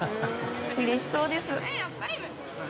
うれしそうです。